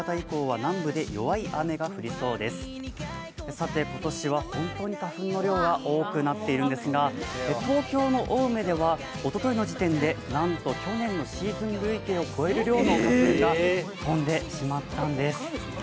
さて今年は本当に花粉の量が多くなっているんですが、東京の青梅ではおとといの時点でなんと去年のシーズン累計を超える量の花粉が飛んでしまったんです。